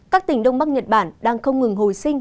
các tỉnh đông bắc nhật bản đang không ngừng hồi sinh